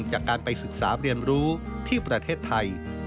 จากการไปศึกษาเรียนรู้ที่ประเทศไทย